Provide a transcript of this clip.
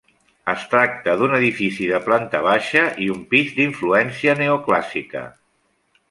Es tracta d'un edifici de planta baixa i un pis d'influència neoclàssica.